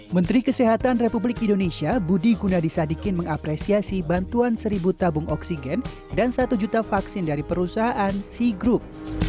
menteri kesehatan republik indonesia budi gunadisadikin mengapresiasi bantuan seribu tabung oksigen dan satu juta vaksin dari perusahaan sea group